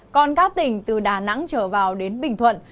còn các tỉnh từ đà nẵng trở vào đến bình thuận